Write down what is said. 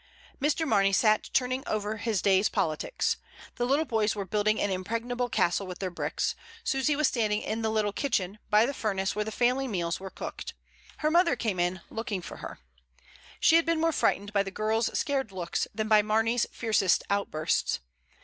Mr. Mamey sat turning over his day's politics. The little boys were building an impregnable castle with their bricks. Susy was standing in the little kitchen, by the furnace where the family meals were cooked. Her mother came in, looking for her; she had been more frightened by the girl's scared looks than by Mame/s fiercest outbursts.